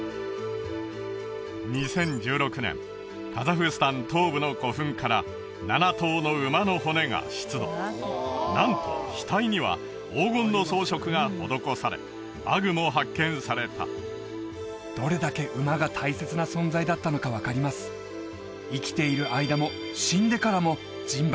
２０１６年カザフスタン東部の古墳から７頭の馬の骨が出土なんと額には黄金の装飾が施され馬具も発見されたどれだけ馬が大切な存在だったのか分かります生きている間も死んでからも人馬